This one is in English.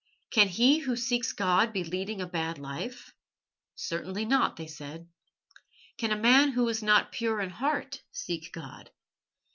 "Can he who seeks God be leading a bad life?" "Certainly not," they said. "Can a man who is not pure in heart seek God?"